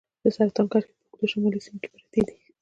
د سرطان کرښې په اوږدو کې شمالي سیمې پرتې دي.